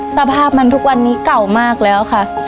สภาพมันทุกวันนี้เก่ามากแล้วค่ะ